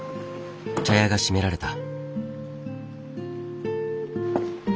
茶屋が閉められた。